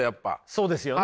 そうですよね。